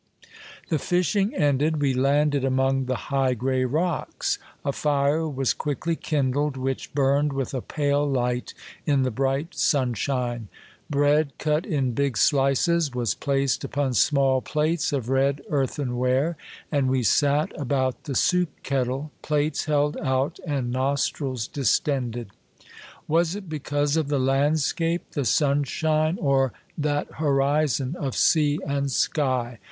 The fishing ended, we landed among the high, gray rocks. A fire was quickly kindled, which 2jS Monday Tales, burned with a pale light in the bright sunshine; bread cut in big slices was placed upon small plates of red earthen ware, and we sat about the soup kettle, plates held out and nostrils distended. Was it because of the landscape, the sunshine, or that horizon of sea and sky?